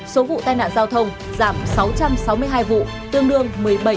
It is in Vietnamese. số vụ tai nạn giao thông giảm sáu trăm sáu mươi hai vụ tương đương một mươi bảy ba mươi ba